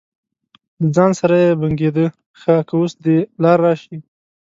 له ځانه سره یې بنګېده: ښه که اوس دې پلار راشي.